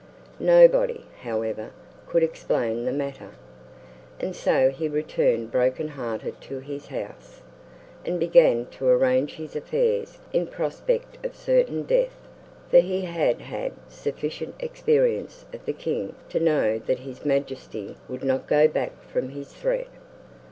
Nobody, however, could explain the matter; and so he returned broken hearted to his house, and began to arrange his affairs in prospect of certain death, for he had had sufficient experience of the king to know that His Majesty would not go back from his threat.